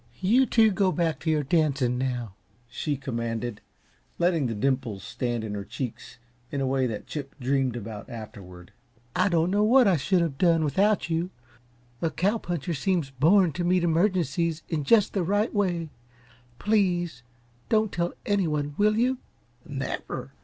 "You two go back to your dancing now," she commanded, letting the dimples stand in her cheeks in a way that Chip dreamed about afterward. "I don't know what I should have done without you a cow puncher seems born to meet emergencies in just the right way. PLEASE don't tell anyone, will you?" "Never.